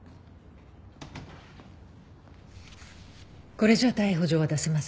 これじゃ逮捕状は出せません。